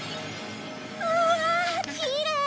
うわっきれい！